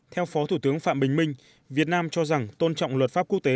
theo phó thủ tướng phạm bình minh việt nam cho rằng tôn trọng luật pháp quốc tế